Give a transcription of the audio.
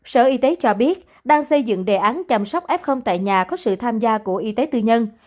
sở y tế cho biết đang xây dựng đề án chăm sóc f tại nhà có sự tham gia của y tế tư nhân